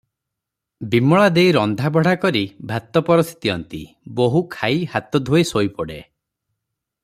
ବିମଳା ଦେଈ ରନ୍ଧାବଢ଼ା କରି ଭାତ ପରଷି ଦିଅନ୍ତି, ବୋହୂ ଖାଇ ହାତ ଧୋଇ ଶୋଇପଡ଼େ ।